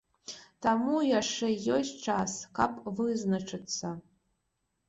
Таму яшчэ ёсць час, каб вызначыцца.